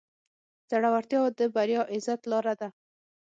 زړورتیا د بریا او عزت لاره ده.